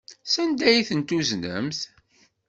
Sanda ay t-tuznemt?